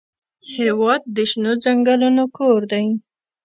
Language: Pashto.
هېواد د شنو ځنګلونو کور دی.